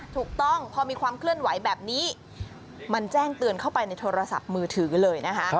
ถูกต้องพอมีความเคลื่อนไหวแบบนี้มันแจ้งเตือนเข้าไปในโทรศัพท์มือถือเลยนะคะ